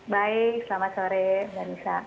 baik selamat sore melisa